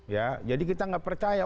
ya jadi kita nggak percaya